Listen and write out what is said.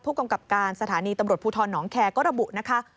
กำกับการสถานีตำรวจภูทรหนองแคร์ก็ระบุนะคะ